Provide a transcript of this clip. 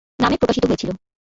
নামে প্রকাশিত হয়েছিল।